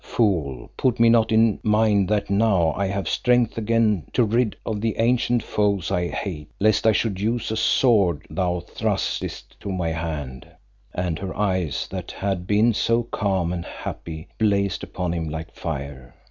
Fool, put me not in mind that now I have strength again to rid me of the ancient foes I hate, lest I should use a sword thou thrustest to my hand," and her eyes that had been so calm and happy, blazed upon him like fire.